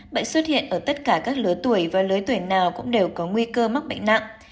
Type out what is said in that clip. bệnh xuất hiện ở tất cả các lứa tuổi và lứa tuổi nào cũng đều có nguy cơ mắc bệnh nặng